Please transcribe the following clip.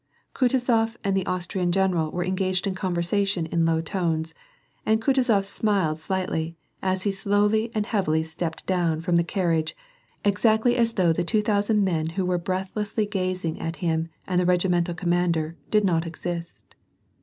Kutuzof and the Austrian general were engaged in conversation in low tones, and Kutuzof smiled slightly, as he slowly and heavily stepped down from the car riage, exactly as though the two thousand men who were breath lessly gazing at him and the regimental commander, did not exist.